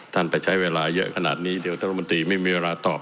ไปใช้เวลาเยอะขนาดนี้เดี๋ยวท่านรัฐมนตรีไม่มีเวลาตอบ